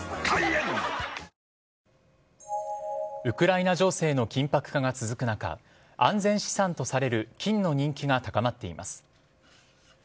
ウクライナ情勢の緊迫化が続く中安全資産とされる金の人気が高まっています。